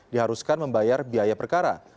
diharuskan membayar biaya perkara